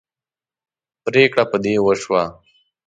پرېکړه په دې وشوه.